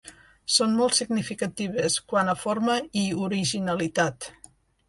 Són molt significatives quant a forma i originalitat.